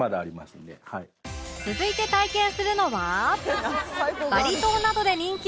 続いて体験するのは